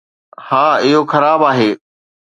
ها، اهو خراب آهي